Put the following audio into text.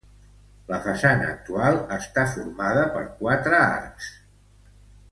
La façana actual està formada per quatre arcs.